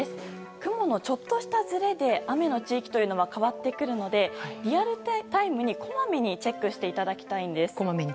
雲のちょっとしたずれで雨の地域というのは変わってくるのでリアルタイムにこまめにチェックしていただきたいんです。